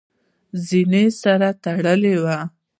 زینه سره تړلې وي .